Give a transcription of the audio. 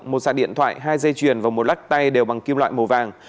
một sạc điện thoại hai dây chuyền và một lắc tay đều bằng kim loại màu vàng